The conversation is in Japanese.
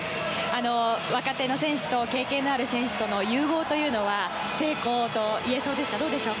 若手の選手と経験のある選手との融合というのは成功といえそうですか？